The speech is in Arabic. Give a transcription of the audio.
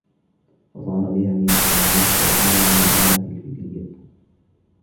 فَصَارَ بِهَذِهِ النِّسْبَةِ مِنْ الْمَعْلُومَاتِ الْفِكْرِيَّةِ